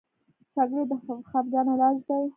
چاکلېټ د خفګان علاج دی.